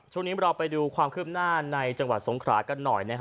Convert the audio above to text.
ช่วงนี้เราไปดูความคืบหน้าในจังหวัดสงขรากันหน่อย